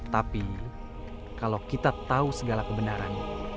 tapi kalau kita tahu segala kebenaran